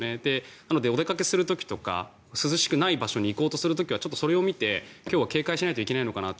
なので、お出かけする時とか涼しくない場所に行こうとする時はそれを見て今日は警戒しないといけないかなって。